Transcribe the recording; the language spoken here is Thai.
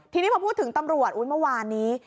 ทีนี้พอพูดถึงตำรวจอุ๊ยเมื่อวานนี้